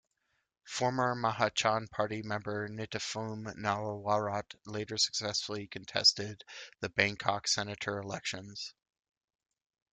Former Mahachon Party member Nitiphoom Naowarat later successfully contested the Bangkok Senator elections.